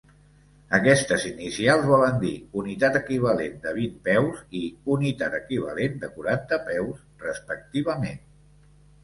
Aquestes inicials volen dir "unitat equivalent de vint peus" i "unitat equivalent de quaranta peus", respectivament.